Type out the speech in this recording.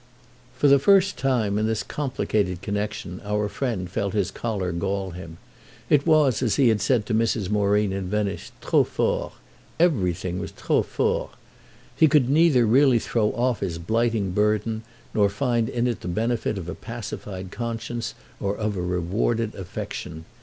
For the first time, in this complicated connexion, our friend felt his collar gall him. It was, as he had said to Mrs. Moreen in Venice, trop fort—everything was trop fort. He could neither really throw off his blighting burden nor find in it the benefit of a pacified conscience or of a rewarded affection.